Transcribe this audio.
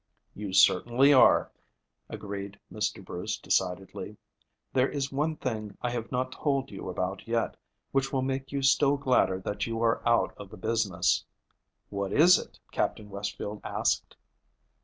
"You certainly are," agreed Mr. Bruce decidedly. "There is one thing I have not told you about yet, which will make you still gladder that you are out of the business." "What is it?" Captain Westfield asked.